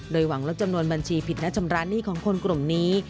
โดยหวังว่าจำนวนบัญชีผิดนักชำระหนี่ของคนกลุ่มนี้